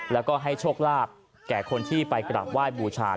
แล้วก็ให้โชคลาภแก่คนที่ไปกราบไหว้บูชา